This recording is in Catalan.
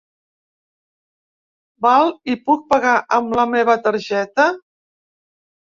Val, i puc pagar amb la meva targeta?